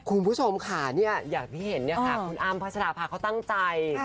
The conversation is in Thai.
คุณผู้ชมค่ะอยากให้เห็นคุณอ้ำพัชราภาเขาตั้งใจ